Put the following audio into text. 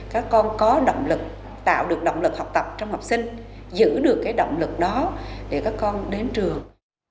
các con có động lực tạo được động lực học tập trong học sinh giữ được cái động lực đó để các con đến trường